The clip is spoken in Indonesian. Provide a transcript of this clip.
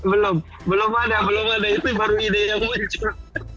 belum belum ada belum ada itu baru ide yang muncul